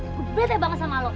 kebetel banget sama lo